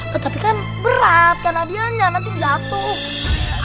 tetapi kan berat kanan dia nanti jatuh